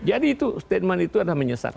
jadi itu statement itu adalah menyesatkan